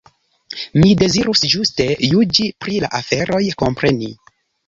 Mi dezirus ĝuste juĝi pri la aferoj, kompreni.